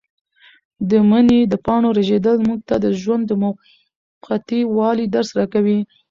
د مني د پاڼو رژېدل موږ ته د ژوند د موقتي والي درس راکوي.